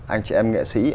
anh chị em nghệ sĩ